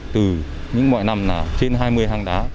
từ những mọi năm là trên hai mươi hang đá